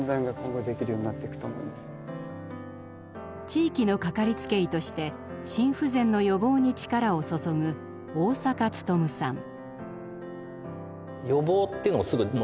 地域のかかりつけ医として心不全の予防に力を注ぐ大坂勤さん。